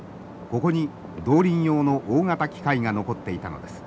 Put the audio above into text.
ここに動輪用の大型機械が残っていたのです。